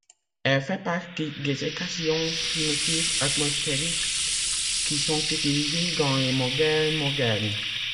Elle fait partie des équations primitives atmosphériques qui sont utilisés dans les modèles modernes.